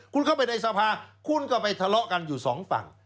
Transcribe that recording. คุณเข้าไปในสภาคุณก็ไปทะเลาะกันอยู่สองฝั่ง